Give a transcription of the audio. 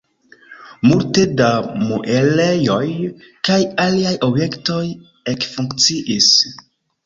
Multe da muelejoj kaj aliaj objektoj ekfunkciis.